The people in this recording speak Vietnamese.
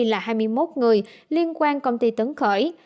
là hai mươi một người liên quan công ty tấn khởi